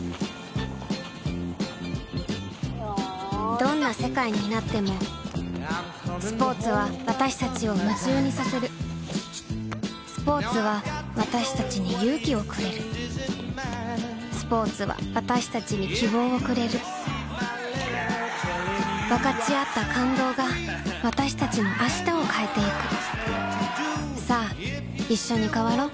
どんな世界になってもスポーツは私たちを夢中にさせるスポーツは私たちに勇気をくれるスポーツは私たちに希望をくれる分かち合った感動が私たちの明日を変えてゆくさあいっしょに変わろう